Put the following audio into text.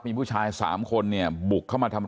มีผู้ชาย๓คนเนี่ยบุกเข้ามาทำ